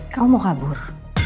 kamu mau kabur